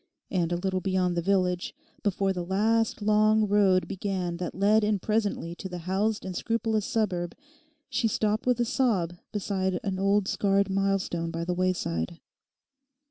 And a little beyond the village, before the last, long road began that led in presently to the housed and scrupulous suburb, she stopped with a sob beside an old scarred milestone by the wayside.